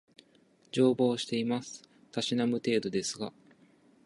乗馬をしております。たしなむ程度ですが